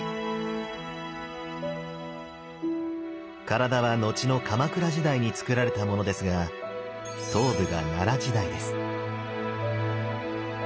体は後の鎌倉時代につくられたものですが頭部が奈良時代です。